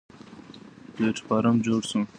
پلېټفارم جوړ شو.